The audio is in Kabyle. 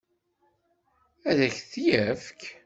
Ad k-t-yefk?